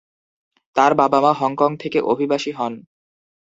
তার বাবা-মা হংকং থেকে অভিবাসী হন।